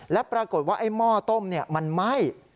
แล้วปรากฏว่าไอ้หม้อต้มเนี่ยมันไหม้